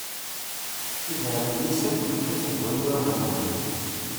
Idrimen-is akk yefka-ten deg ayen ur nemɛin.